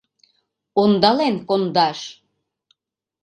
Ондален кондаш!..